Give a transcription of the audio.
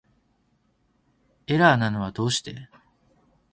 エラーなのはどうして